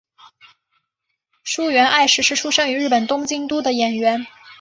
筱原爱实是出身于日本东京都的演员。